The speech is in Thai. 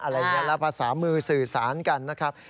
และภาษามือสื่อสารกันนะครับ